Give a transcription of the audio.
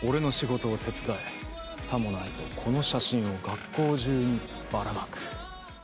俺の仕事を手伝え、さもないと、この写真を学校中にばらまく。